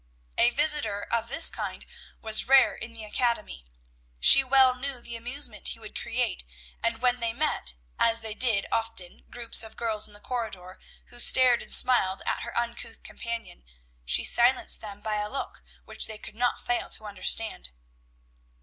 A visitor of this kind was rare in the academy. She well knew the amusement he would create, and when they met, as they did often, groups of girls in the corridor, who stared and smiled at her uncouth companion, she silenced them by a look, which they could not fail to understand.